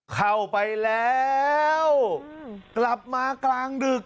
เข้าไปแล้วกลับมากลางดึก